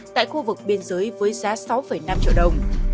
tại khu vực biên giới với giá sáu năm triệu đồng